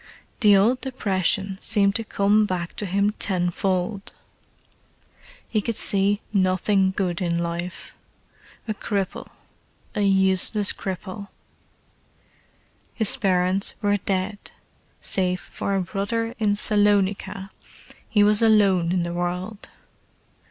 The old depression seemed to come back to him tenfold. He could see nothing good in life: a cripple, a useless cripple. His parents were dead; save for a brother in Salonica, he was alone in the world.